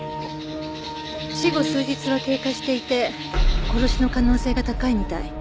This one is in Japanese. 死後数日は経過していて殺しの可能性が高いみたい。